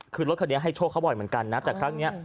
คือรถคันนี้ให้โชคเขาบ่อยเหมือนกันนะแต่ครั้งนี้